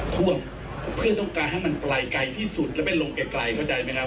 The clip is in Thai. ท่วมเพื่อต้องการให้มันไกลไกลที่สุดแล้วไม่ลงไกลเข้าใจไหมครับ